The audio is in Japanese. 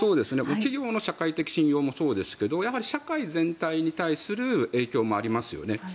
企業の社会的信用もそうですが社会全体に対する影響もありますよね。